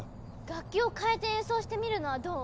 楽器をかえて演奏してみるのはどう？